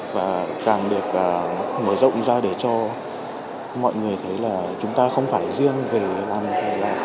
và càng được mở rộng ra để cho mọi người thấy là chúng ta không phải riêng về an ninh